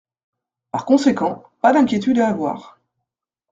Par conséquent, pas d’inquiétude à avoir.